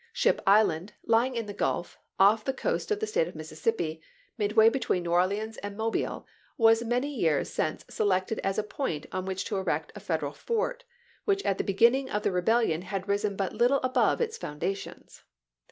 Ship Island, lying in the Gulf, off the coast of the State of Mississippi, mid way between New Orleans and Mobile, was many years since selected as a point on which to erect a Federal fort, which at the beginning of the rebellion had risen but little above its foundations.